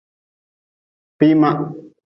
Kpima.